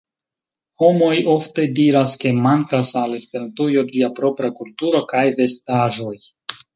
Homoj ofte diras, ke mankas al Esperantujo ĝia propra kulturo kaj vestaĵoj